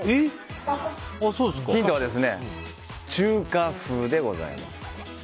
ヒントは中華風でございます。